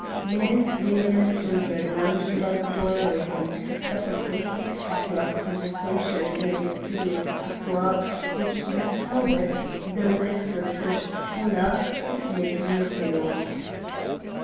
Men, women, and children lounged about the doorways and kept up a constant cackle of conversation in a mysterious patois which Miss Talbot, though an excellent French scholar, could make nothing of.